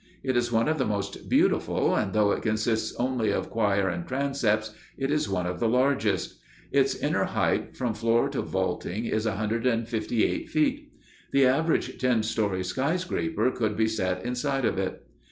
It is one of the most beautiful, and, though it consists only of choir and transepts, it is one of the largest. Its inner height, from floor to vaulting, is 158 feet. The average ten story skyscraper could be set inside of it.